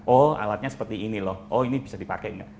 oh alatnya seperti ini loh oh ini bisa dipakai nggak